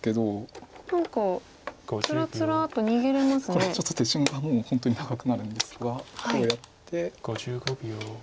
これちょっと手順がもう本当に長くなるんですがこうやって。